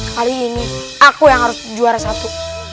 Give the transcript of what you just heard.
kali ini aku yang harus juara satu